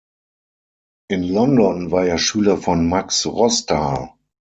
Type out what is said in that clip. In London war er Schüler von Max Rostal.